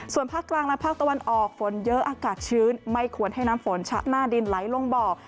ส่วนภาคกลางและภาคตะวันออกฝนเยอะอากาศชื้นไม่ควรให้น้ำฝนชะหน้าดินไหลลงบ่อ